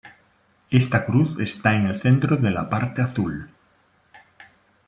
Esta cruz está en el centro de la parte azul.